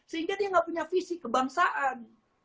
sehingga dia nggak punya visi kebangsaan